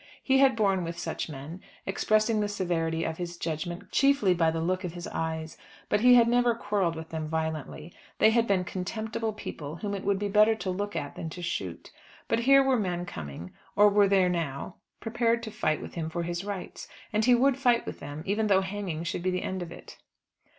He had borne with such men, expressing the severity of his judgment chiefly by the look of his eyes; but he had never quarrelled with them violently. They had been contemptible people whom it would be better to look at than to shoot. But here were men coming, or were there now, prepared to fight with him for his rights. And he would fight with them, even though hanging should be the end of it.